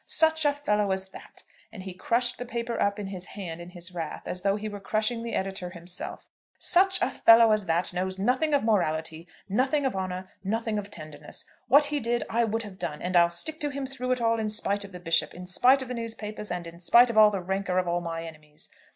Such a fellow as that," and he crushed the paper up in his hand in his wrath, as though he were crushing the editor himself, "such a fellow as that knows nothing of morality, nothing of honour, nothing of tenderness. What he did I would have done, and I'll stick to him through it all in spite of the Bishop, in spite of the newspapers, and in spite of all the rancour of all my enemies."